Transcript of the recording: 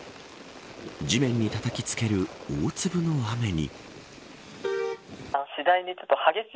地面にたたきつける大粒の雨に。